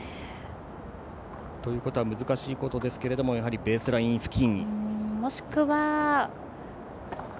ということは難しいことですがベースライン付近。